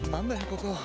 ここ。